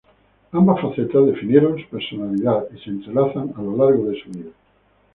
Ambas facetas definieron su personalidad y se entrelazan a lo largo de su vida.